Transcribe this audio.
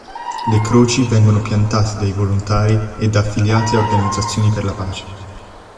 Le croci vengono piantate dai volontari e da affiliati a organizzazioni per la pace.